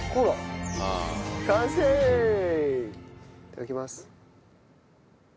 いただきます。